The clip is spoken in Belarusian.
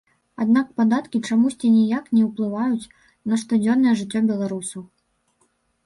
Аднак падаткі чамусьці ніяк не ўплываюць на штодзённае жыццё беларусаў.